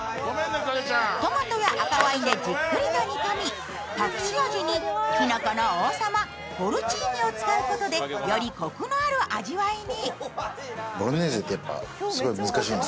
トマトや赤ワインでじっくりと煮込み、隠し味にきのこの王様ポルチーニを使うことでより、こくのある味わいに。